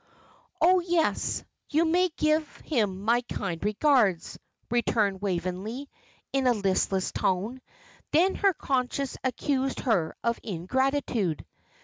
"Oh, yes, you may give him my kind regards," returned Waveney, in a listless tone. Then her conscience accused her of ingratitude.